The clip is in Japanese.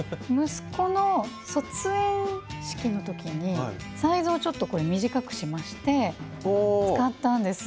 息子の卒園式の時にサイズをちょっとこれ短くしまして使ったんです。